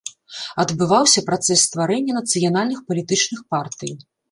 Адбываўся працэс стварэння нацыянальных палітычных партый.